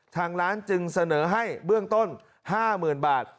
ทางร้านจึงเสนอให้เบื้องต้น๕๐๐๐บาท